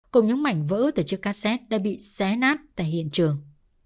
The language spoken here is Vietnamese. cùng những mảnh vỡ từ chiếc cassette đã bị xé nát tại hiện trường